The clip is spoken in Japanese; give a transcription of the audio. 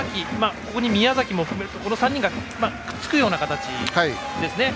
ここに宮崎も含めるとこの３人がくっつくような形ですね。